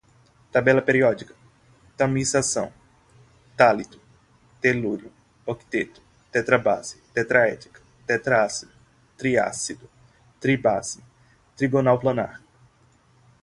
tabela periódica, tamisação, tálito, telúrio, octeto, tetrabase, tetraédrica, tetrácido, triácido, tribase, trigonal planar